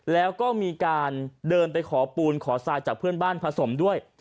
แล้วก็มีการเดินไปขอปูนขอทรายจากเพื่อนบ้านผสมด้วย